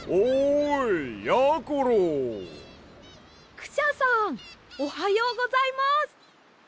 クシャさんおはようございます。